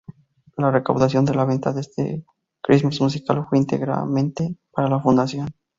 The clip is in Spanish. La recaudación de la venta de este christmas musical fue íntegramente para la fundación.